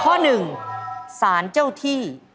ข้อหนึ่งสารเจ้าที่